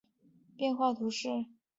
皮伊韦尔人口变化图示